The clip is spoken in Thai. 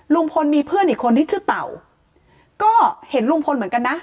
ลุงพลมีเพื่อนอีกคนที่ชื่อเต่าก็เห็นลุงพลเหมือนกันนะ